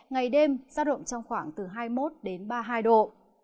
ngày đêm giá động trong khoảng hai mươi một đến ba mươi hai độ